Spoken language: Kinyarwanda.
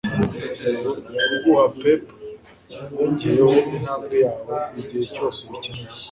kuguha pep yongeyeho intambwe yawe igihe cyose ubikeneye.